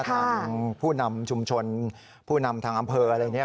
ทางผู้นำชุมชนผู้นำทางอำเภออะไรเนี่ย